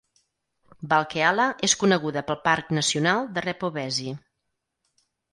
Valkeala és coneguda pel parc nacional de Repovesi.